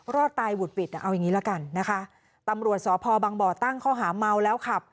รอดตายหวุดหวิดอ่ะเอาอย่างงี้ละกันนะคะตำรวจสพบังบ่อตั้งข้อหาเมาแล้วขับ